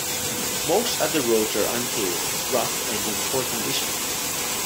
Most other roads are unpaved, rough and in poor condition.